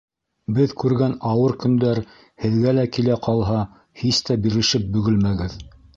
Беҙ күргән ауыр көндәр һеҙгә лә килә ҡалһа, һис тә бирешеп бөгөлмәгеҙ.